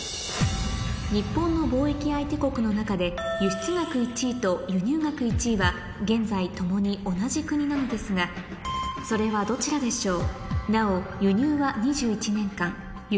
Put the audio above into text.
日本の貿易相手国の中で輸出額１位と輸入額１位は現在ともに同じ国なのですがそれはどちらでしょう？